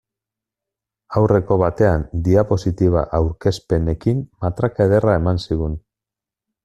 Aurreko batean diapositiba aurkezpenekin matraka ederra eman zigun.